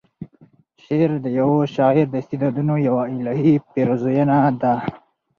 شعر د یوه شاعر د استعدادونو یوه الهې پیرزویَنه ده.